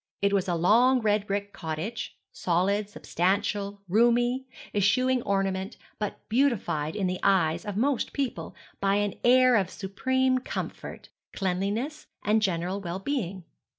It was a long red brick cottage, solid, substantial, roomy, eschewing ornament, but beautified in the eyes of most people by an air of supreme comfort, cleanliness, and general well being.